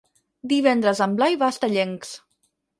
Divendres en Blai va a Estellencs.